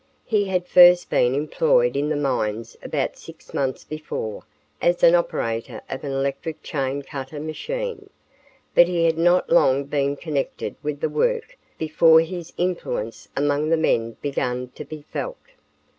He had first been employed in the mines about six months before as an operator of an electric chain cutter machine, but he had not long been connected with the work before his influence among the men began to be felt.